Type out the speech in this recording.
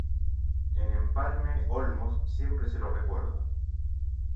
En Empalme Olmos siempre se lo recuerda.